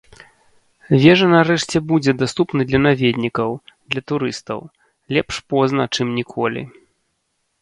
Вежа нарэшце будзе даступнай для наведнікаў, для турыстаў, лепш позна, чым ніколі.